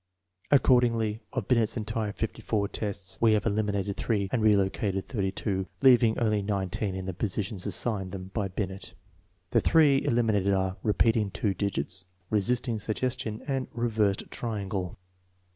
Accordingly, of Binet's entire 54 tests, we have elimi nated $ and relocated $2, leaving only 19 in the positions assigned them by Binet. The 3 eliminated are: repeating 2 digits, resisting suggestion, and " reversed triangle."